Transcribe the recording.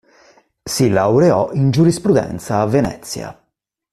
Si laureò in giurisprudenza a Venezia.